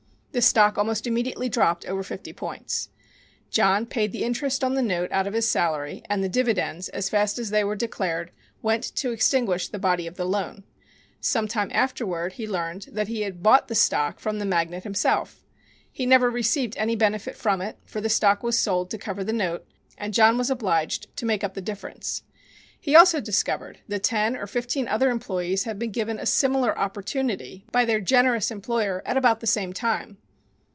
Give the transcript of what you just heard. The stock almost immediately dropped over fifty points. John paid the interest on the note out of his salary, and the dividends, as fast as they were declared, went to extinguish the body of the loan. Some time afterward he learned that he had bought the stock from the magnate himself. He never received any benefit from it, for the stock was sold to cover the note, and John was obliged to make up the difference. He also discovered that ten or fifteen other employees had been given a similar opportunity by their generous employer at about the same time.